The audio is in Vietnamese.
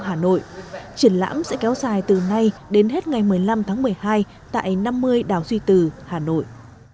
triển lãm sẽ kéo dài từ nay đến hết ngày một mươi năm tháng một mươi hai tại năm mươi đảo duy từ hà nội